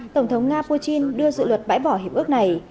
tổng thống nga putin đưa dự luật bãi bỏ hiệp ước này